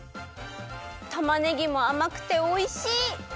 たまねぎもあまくておいしい！